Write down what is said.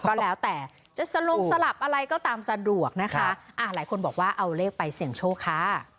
ก็แล้วแต่จะสลงสลับอะไรก็ตามสะดวกนะคะอ่าหลายคนบอกว่าเอาเลขไปเสี่ยงโชคค่ะ